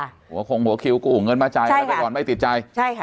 หัวคงหัวคิวกู้เงินมาจ่ายอะไรไปก่อนไม่ติดใจใช่ค่ะ